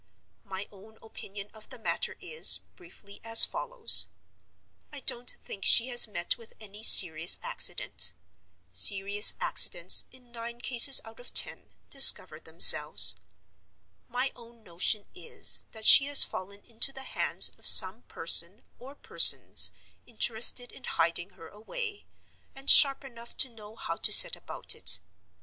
"My own opinion of the matter is, briefly, as follows: I don't think she has met with any serious accident. Serious accidents, in nine cases out of ten, discover themselves. My own notion is, that she has fallen into the hands of some person or persons interested in hiding her away, and sharp enough to know how to set about it.